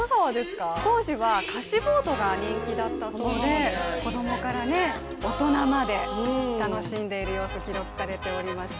当時は貸しボートが人気だったそうで子供から大人まで楽しんでいる様子、記録されておりました。